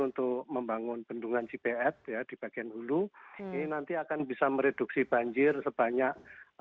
untuk membangun bendungan cipet ya di bagian dulu ini nanti akan bisa mereduksi banjir sebanyak lima puluh sembilan